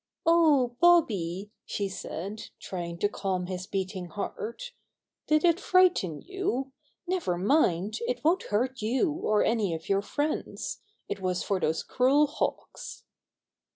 "Oh, Bobby,'' she said, trying to calm his beating heart, "did it frighten you? Never mind, it won't hurt you or any of your friends. It was for those cruel hawks."